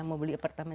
mau beli apartemen